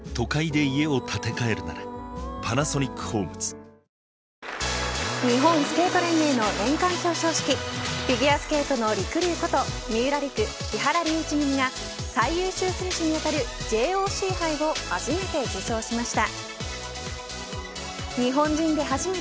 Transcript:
新「グリーンズフリー」日本スケート連盟の年間表彰式フィギュアスケートのりくりゅうこと三浦璃来、木原龍一組が最優秀選手にあたるＪＯＣ杯を初めて受賞しました。